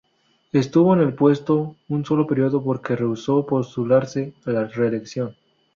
Estuvo en el puesto un sólo período porque rehusó postularse a la reelección.